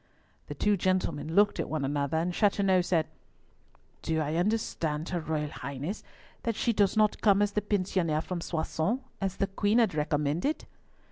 The two gentlemen looked at one another, and Chateauneuf said, "Do I understand her Royal Highness that she does not come as the pensionnaire from Soissons, as the Queen had recommended?"